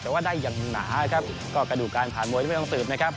แต่ว่าได้อย่างหนาครับก็กระดูกการผ่านมวยที่ไม่ต้องสืบนะครับ